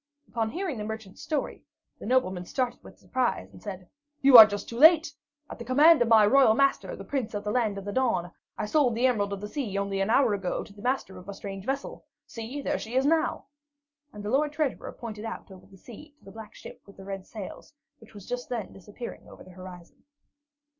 Upon hearing the merchant's story, the nobleman started with surprise, and said: "You are just too late! At the command of my royal master, the Prince of the Land of the Dawn, I sold the Emerald of the Sea only an hour ago to the master of a strange vessel. See, there she is now." And the Lord Treasurer pointed out over the sea to the black ship with the red sails, which was just then disappearing over the horizon.